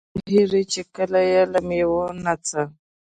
ويالې بهېږي، چي كله ئې له مېوې نه څه